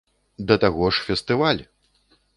Да таго ж, фестываль!